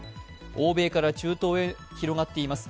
欧米から中東へ広がっています。